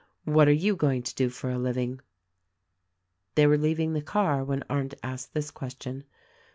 What are you going to do for a living ?" They were leaving the car when Arndt asked this ques tion.